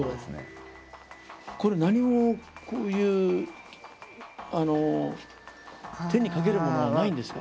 これ何もこういう手にかけるものはないんですか？